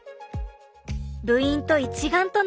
部員と一丸となりたい。